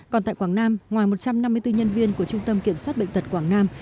còn tại quảng nam ngoài một trăm năm mươi bốn nhân viên của trung tâm kiểm soát bệnh tật quảng nam